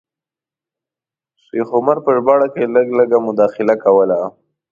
شیخ عمر په ژباړه کې لږ لږ مداخله کوله.